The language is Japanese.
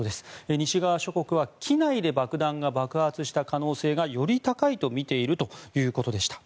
西側諸国は機内で爆弾が爆発した可能性がより高いとみているということでした。